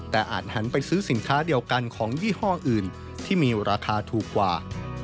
แต่อาจหันไปซื้อสินค้าเดียวกันของยี่ห้ออื่นที่มีราคาถูกกว่า